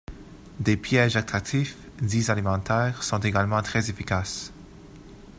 Des pièges attractifs, dits alimentaires, sont également très efficaces.